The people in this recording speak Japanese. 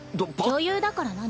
女優だから何？